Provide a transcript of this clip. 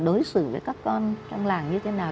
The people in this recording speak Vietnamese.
đối xử với các con trong làng như thế nào